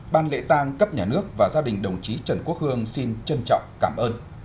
ban lễ tang cấp nhà nước và gia đình đồng chí trần quốc hương xin trân trọng cảm ơn